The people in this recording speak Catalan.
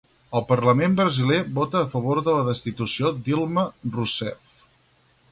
El parlament brasiler vota a favor de la destitució Dilma Rousseff.